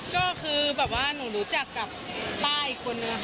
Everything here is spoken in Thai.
ก็คือแบบว่าหนูรู้จักกับป้าอีกคนนึงค่ะ